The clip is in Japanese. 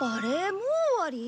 もう終わり？